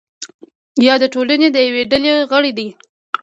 یا د ټولنې د یوې ډلې غړی دی.